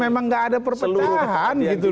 memang gak ada perpecahan